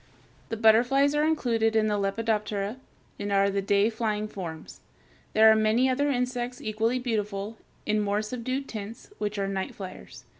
Silkworm moth.] The butterflies are included in the Lepidoptera, and are the day flying forms. There are many other insects equally beautiful, in more subdued tints, which are night flyers.